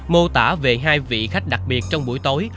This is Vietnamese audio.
mô tả về hai vị khách đặc biệt trong buổi tối